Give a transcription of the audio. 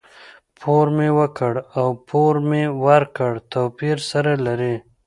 پور مي ورکړ او پور مې ورکړ؛ توپير سره لري.